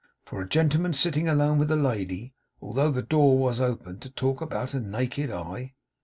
For a gentleman sitting alone with a lady although the door WAS open to talk about a naked eye!